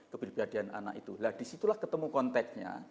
kepribadian anak itu nah disitulah ketemu konteknya